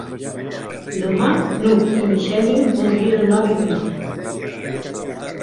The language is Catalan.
Demà n'Hug i na Xènia voldrien anar a Viver.